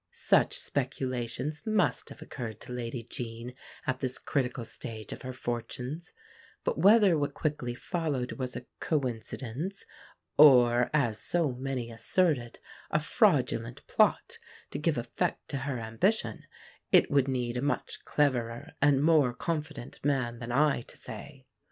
Such speculations must have occurred to Lady Jean at this critical stage of her fortunes; but whether what quickly followed was a coincidence, or, as so many asserted, a fraudulent plot to give effect to her ambition, it would need a much cleverer and more confident man than I to say.